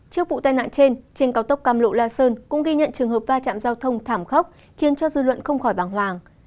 trước vụ tai nạn trên cao tốc cam lộ la sơn cũng ghi nhận trường hợp va chạm giao thông thảm khốc khiến cho dư luận không khỏi bàng hoàng